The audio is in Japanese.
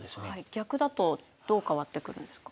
逆だとどう変わってくるんですか？